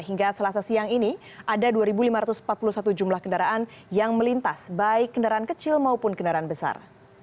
hingga selasa siang ini ada dua lima ratus empat puluh satu jumlah kendaraan yang melintas baik kendaraan kecil maupun kendaraan besar